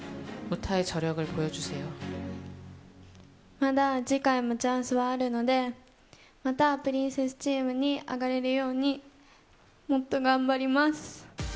まだ、次回もチャンスはあるので、またプリンセスチームに上がれるようにもっと頑張ります。